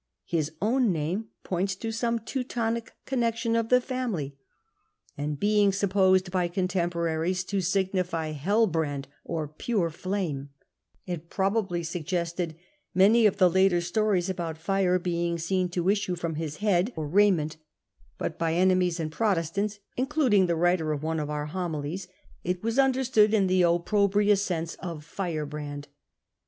His own name points to Bome Teutonic connexion of the family; and being Digitized by VjOOQIC Degradation of the Papacy 21 BQpposed by contemporaries, to signify Hell brand or * pure flame,' it probably suggested many of the latei stories about fire being seen to issue from his head or raiment; but by enemies, and Protestants (including the writer of one of our Homilies), it was understood in the opprobrious sense of * firebrand.'